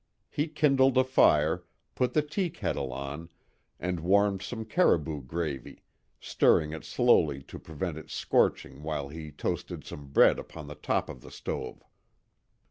He kindled a fire, put the teakettle on, and warmed some caribou gravy, stirring it slowly to prevent its scorching while he toasted some bread upon the top of the stove.